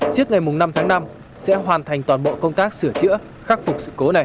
trước ngày năm tháng năm sẽ hoàn thành toàn bộ công tác sửa chữa khắc phục sự cố này